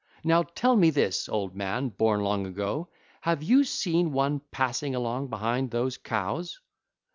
Now tell me this, old man born long ago: have you seen one passing along behind those cows?